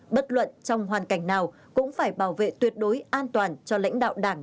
bất luận trong hoàn cảnh nào cũng phải bảo vệ tuyệt đối an toàn cho lãnh đạo đảng